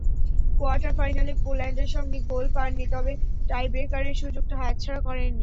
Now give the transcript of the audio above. Quarter ফাইনালে পোল্যান্ডের সঙ্গে গোল পাননি, তবে টাইব্রেকারে সুযোগটা হাতছাড়া করেননি।